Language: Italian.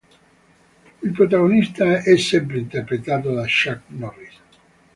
Il protagonista è sempre interpretato da Chuck Norris.